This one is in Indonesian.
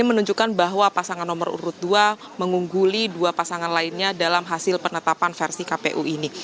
menunjukkan bahwa pasangan nomor urut dua mengungguli dua pasangan lainnya dalam hasil penetapan versi kpu ini